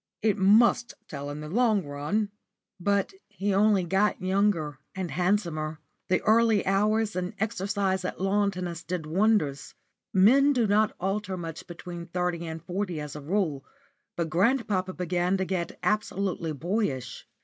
It must tell in the long run." But he only got younger and handsomer. The early hours and exercise at lawn tennis did wonders. Men do not alter much between thirty and forty as a rule, but grandpapa began to get absolutely boyish.